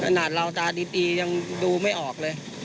ขนาดเราตาดียังดูไม่ออกเลย